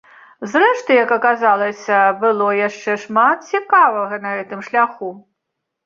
Зрэшты, як аказалася, было яшчэ шмат цікавага на гэтым шляху.